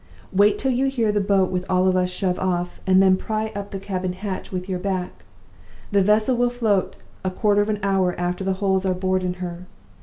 Wait till you hear the boat with all of us shove off, and then pry up the cabin hatch with your back. The vessel will float a quarter of an hour after the holes are bored in her.